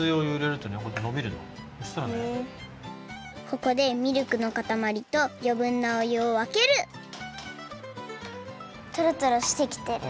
ここでミルクのかたまりとよぶんなお湯をわけるとろとろしてきてる！